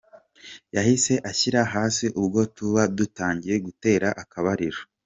Yahise anshyira hasi ubwo tuba dutangiye gutera akabariro.